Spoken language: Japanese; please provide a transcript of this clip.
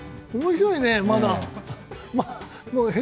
面白いね、まだ。